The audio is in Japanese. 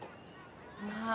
まあ！